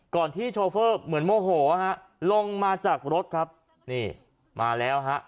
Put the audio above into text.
ที่โชเฟอร์เหมือนโมโหฮะลงมาจากรถครับนี่มาแล้วฮะ